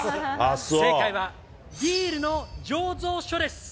正解はビールの醸造所です。